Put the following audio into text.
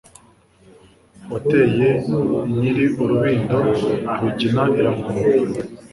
Wateye Nyiri urubindo, Rugina iramwambara.